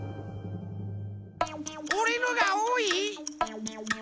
おれのがおおい？